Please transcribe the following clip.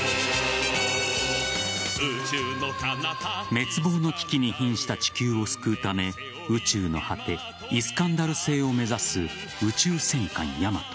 滅亡の危機にひんした地球を救うため宇宙の果てイスカンダル星を目指す「宇宙戦艦ヤマト」